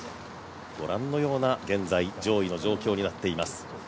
ご覧のような現在上位の状況になっています。